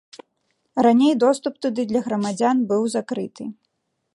Раней доступ туды для грамадзян быў закрыты.